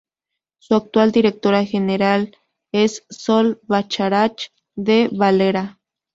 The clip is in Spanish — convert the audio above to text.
Su actual directora general es Sol Bacharach de Valera.